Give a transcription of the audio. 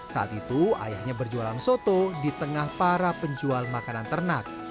saat itu ayahnya berjualan soto di tengah para penjual makanan ternak